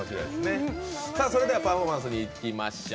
それではパフォーマンスにいきましょう。